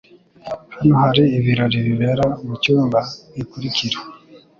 Hano hari ibirori bibera mucyumba gikurikira.